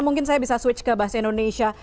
mungkin saya bisa switch ke bahasa indonesia